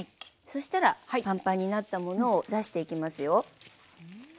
そしたらパンパンになったものを出していきますよ。